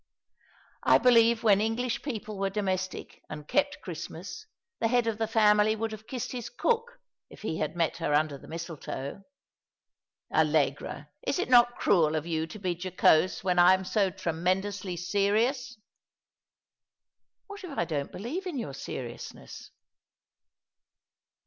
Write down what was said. I believe when English people were domestic and kept Christmas, the head of the family would have kissed his cook if he had met her under the mistletoe." " Allegra, is it not cruel of you to be jocose when I am so tremendously serious ?"" What if I don't believe in your seriousness?